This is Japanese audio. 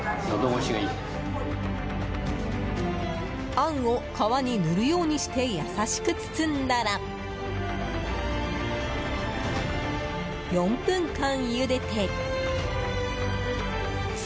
あんを皮に塗るようにして優しく包んだら、４分間ゆでて。